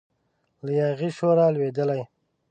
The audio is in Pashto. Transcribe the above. له یاغي شوره لویدلی